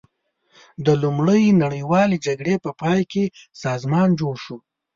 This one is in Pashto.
د لومړۍ نړیوالې جګړې په پای کې سازمان جوړ شو.